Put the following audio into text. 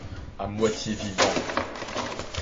À moitié vivant.